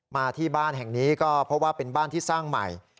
มาที่บ้านแห่งนี้ก็เพราะว่าเป็นบ้านที่สร้างใหม่